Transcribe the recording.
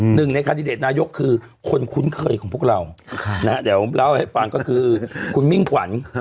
หนึ่งในคาดิเดตนายกคือคนคุ้นเคยของพวกเราเดี๋ยวเล่าให้ฟังก็คือคุณมิ่งขวัญ